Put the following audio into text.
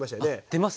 出ます。